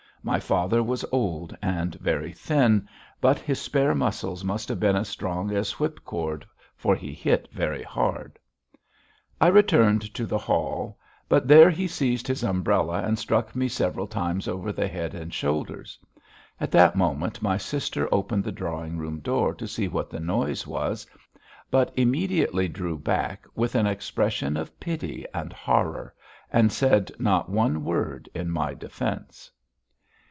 My father was old and very thin, but his spare muscles must have been as strong as whip cord, for he hit very hard. I returned to the hall, but there he seized his umbrella and struck me several times over the head and shoulders; at that moment my sister opened the drawing room door to see what the noise was, but immediately drew back with an expression of pity and horror, and said not one word in my defence.